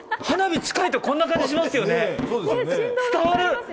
花火が近いとこんな感じしま